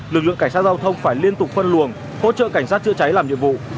lực lượng cảnh sát giao thông phải liên tục phân luồng hỗ trợ cảnh sát chữa cháy làm nhiệm vụ